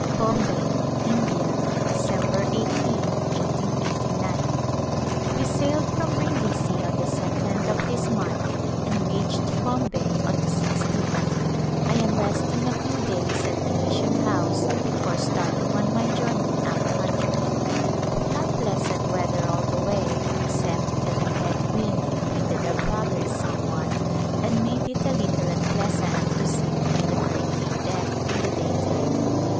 Bombay^ Ind'ia^ Dec. i8^ i88g. We sailed from Brindisi on the second of this month and reached Bombay on the sixteenth. I am resting a few days at the mission house before start [ 197] A Glimpse of India ing on my journey up country. We had pleasant weather all the way except that a head wind impeded our progress somewhat and made it a little unpleasant to sit on the hurricane deck in the daytime.